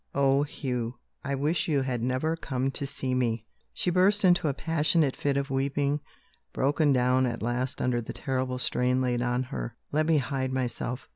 Oh, Hugh, I wish you had never come to see me!" She burst into a passionate fit of weeping, broken down at last under the terrible strain laid on her. "Let me hide myself!"